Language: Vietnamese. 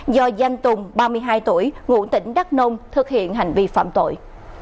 do danh tùng ba mươi hai tuổi ngụ tỉnh đắk nông thực hiện hành vi phạm tội